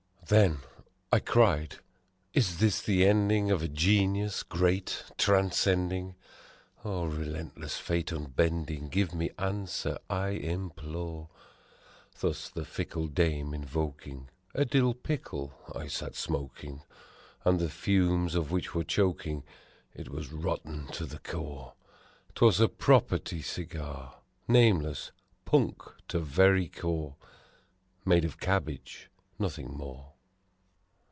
"Then," I cried, "is this the ending of a genius great transcending ! O relentless Fate, unbending, give me answer, I implore!" Thus the fickle Dame invoking, a dill pickle I sat smoking, And the fumes of which were choking it was rot ten to the core: 'Twas a property cigar nameless, punk to very core! Made of cabbage nothing more.